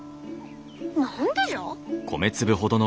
何でじゃ？